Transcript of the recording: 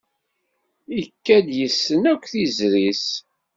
Ikad-d yessen akk izri-s.